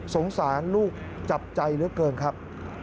สงสารลูกจับใจเหลือเกินครับ